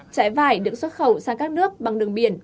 trái vải được xuất khẩu sang các nước bằng đường biển